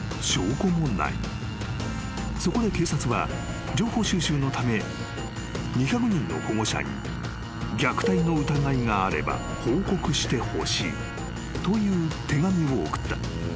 ［そこで警察は情報収集のため２００人の保護者に虐待の疑いがあれば報告してほしいという手紙を送った］